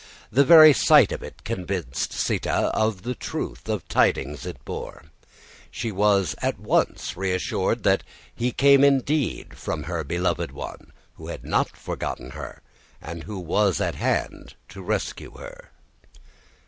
The very sight of it convinced Sītā of the truth of tidings he bore. She was at once reassured that he came indeed from her beloved one, who had not forgotten her and was at hand to rescue her.